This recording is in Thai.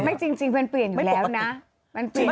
จริงมันเปลี่ยนอยู่แล้วนะ